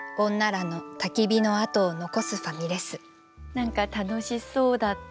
何か楽しそうだったのかな？